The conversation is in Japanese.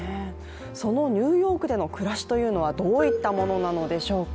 そのニューヨークでの暮らしというのはどういったものなのでしょうか。